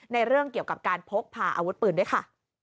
ในเรื่องเกี่ยวกับการพกพาอาวุธปืนด้วยค่ะ